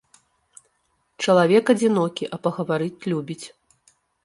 Чалавек адзінокі, а пагаварыць любіць.